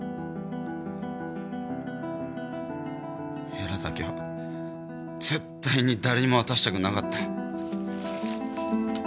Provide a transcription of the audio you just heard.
へらだけは絶対に誰にも渡したくなかった。